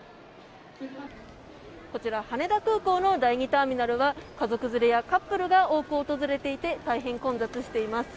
こちら羽田空港の第２ターミナルは家族連れやカップルが多く訪れていて大変混雑しています。